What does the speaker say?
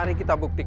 di sini dia